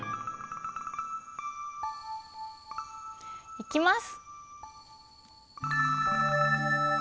いきます！